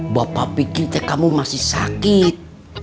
bapak pikir kamu masih sakit